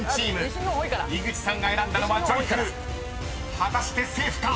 ［果たしてセーフか？